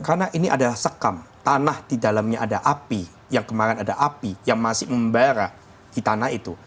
karena ini adalah sekam tanah di dalamnya ada api yang kemarin ada api yang masih membara di tanah itu